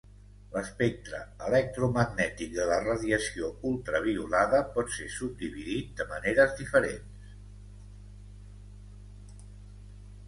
L'espectre electromagnètic de la radiació ultraviolada pot ser subdividit de maneres diferents.